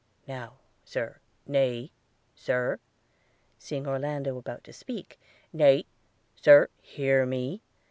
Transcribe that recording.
Now, Sir – Nay, Sir – (seeing Orlando about to speak) – nay, Sir, hear me!